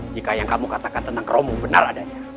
jika yang kamu katakan tentang romo benar adanya